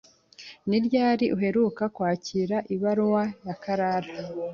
Ni ryari uheruka kwakira ibaruwa ya Karara?